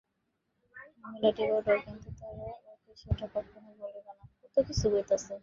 মহিলাটি বড়, কিন্তু তারা ওকে সেটা কখনই বলবে না।